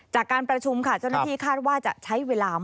จากการประชุมค่ะเจ้าหน้าที่คาดว่าจะใช้เวลา